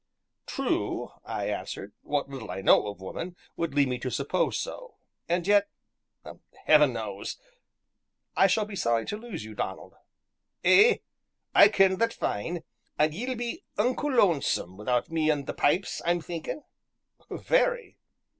"True," I answered, "what little I know of woman would lead me to suppose so; and yet Heaven knows! I shall be sorry to lose you, Donald." "Ay I ken that fine, an' ye'll be unco lonesome wi'out me an' the pipes, I'm thinkin'." "Very!"